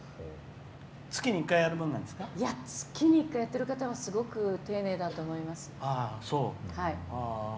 月に１回やってる方は丁寧だと思います。